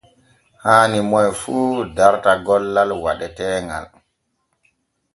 Haani moy fu darta gollal waɗeteeŋal.